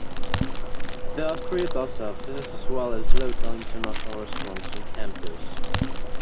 There are free bus services, as well as local and international restaurants on campus.